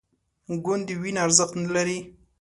ګوندې وینه ارزښت نه لري